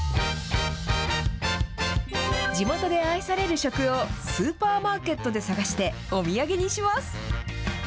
地元で愛される食をスーパーマーケットで探してお土産にします。